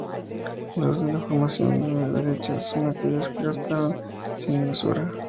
Los de la formación a derecha son aquellos que gastaron sin mesura.